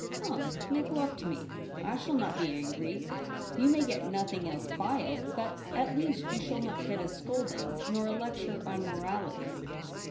Come, make love to me ; I shall not be angry ; you may get nothing else by it, but at least you shall not get a scolding nor a lecture on morality.'